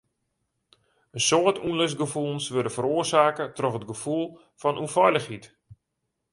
In soad ûnlustgefoelens wurde feroarsake troch it gefoel fan ûnfeilichheid.